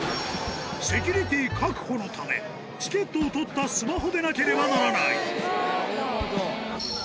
セキュリティー確保のため、チケットを取ったスマホでなければならない。